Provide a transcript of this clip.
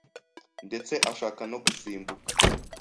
ndetse ashaka no gusimbuka.